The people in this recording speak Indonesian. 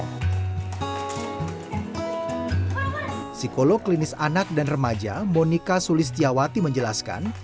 psikolog klinis anak dan remaja monika sulistiawati menjelaskan